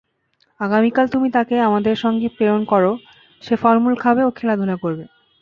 আগামীকাল তুমি তাকে আমাদের সঙ্গে প্রেরণ কর, সে ফল-মূল খাবে ও খেলাধুলা করবে।